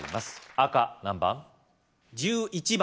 赤何番？